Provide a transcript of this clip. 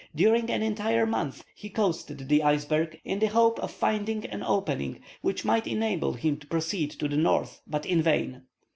During an entire month he coasted the iceberg, in the hope of finding an opening which might enable him to proceed to the north, but in vain.